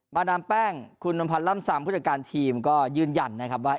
มาน้ำแป้งคุณบำพัดล่ำซามผู้จัดการทีมก็ยืนหยั่นว่า